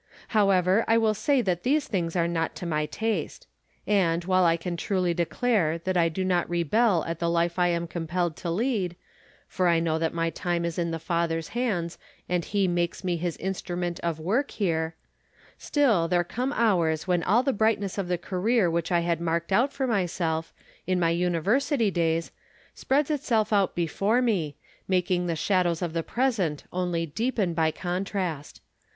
However, I will say that these things are not to my taste. From Different Standpoints. 231 And, while I can truly declare that I do not re bel at the life I am compelled to lead — for I lino w that my time is in the Father's hands, and He makes me His instrument of work here — still there come hours when all the brightness of the career which I had marked out for myself, in my imiversity days, spreads itself out before me, making the shadows of the present only deepen by contrast.